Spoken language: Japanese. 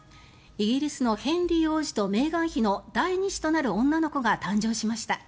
イギリスのヘンリー王子とメーガン妃の第２子となる女の子が誕生しました。